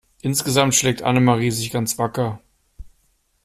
Insgesamt schlägt Annemarie sich ganz wacker.